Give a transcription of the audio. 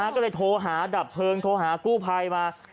ก็เลยโทรหาดับเพลิงโทรหากู้ภัยมา